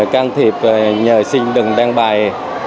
can thiệp nhờ xin đừng đăng bài